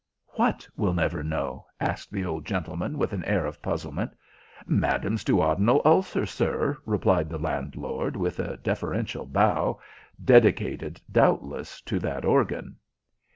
"What will never know?" asked the old gentleman, with an air of puzzlement. "Madam's duodenal ulcer, sir," replied the landlord, with a deferential bow, dedicated, doubtless, to that organ.